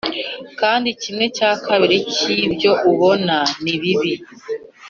kandi kimwe cya kabiri cyibyo ubona ni bibi